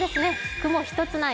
雲一つない